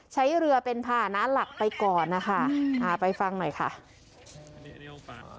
ใช้เรือเป็นภานะหลักไปก่อนนะคะอ่าไปฟังหน่อยค่ะ